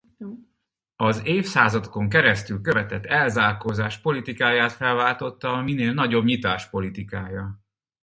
Az évszázadokon keresztül követett elzárkózás politikáját felváltotta a minél nagyobb nyitás politikája.